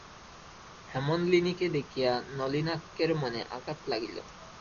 হেমনলিনীকে দেখিয়া নলিনাক্ষের মনে আঘাত লাগিল।